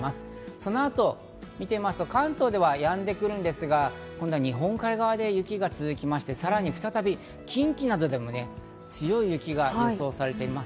そのあと見てみますと、関東ではやんでくるんですが、今度は日本海側で雪が続いて、さらに再び近畿などでも強い雪が予想されています。